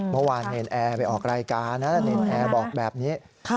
เมื่อวานเนรนแอร์ไปออกรายการนะแล้วเนรนแอร์บอกแบบนี้